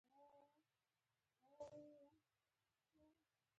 د اروپا د بیړیو چلولو ډېر اوږد سیند کوم یو دي؟